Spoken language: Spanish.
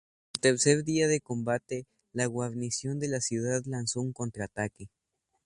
Al tercer día de combate, la guarnición de la ciudad lanzó un contraataque.